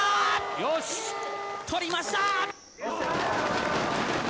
よし、取りました。